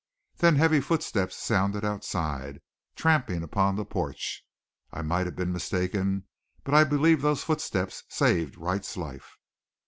Then heavy footsteps sounded outside, tramping upon the porch. I might have been mistaken, but I believed those footsteps saved Wright's life.